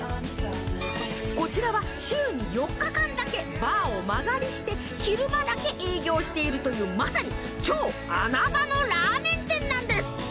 こちらは週に４日間だけバーを間借りして昼間だけ営業しているというまさに超穴場のラーメン店なんです。